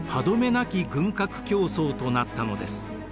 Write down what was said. なき軍拡競争となったのです。